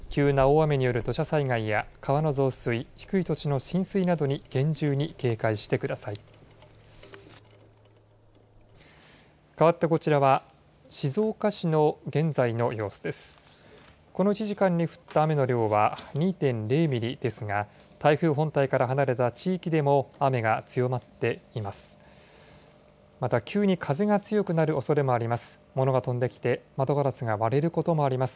この１時間に降った雨の量は２．０ミリですが台風本体から離れた地域でも雨が強まっています。